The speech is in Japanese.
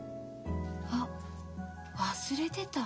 あ忘れてた。